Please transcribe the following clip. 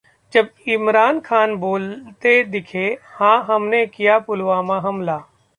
...जब इमरान खान बोलते दिखे- हां, हमने किया पुलवामा हमला!